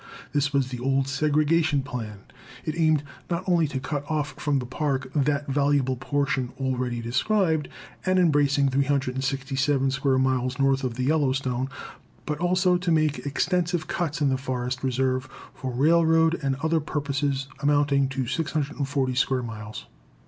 This was the old segregation plan. It aimed not only to cut off from the Park that valuable portion already described, and embracing 367 square miles north of the Yellowstone, but also to make extensive cuts in the Forest Reserve for railroad and other purposes, amounting to 640 square miles.